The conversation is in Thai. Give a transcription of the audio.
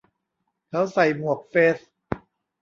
เขาใส่หมวกเฟซ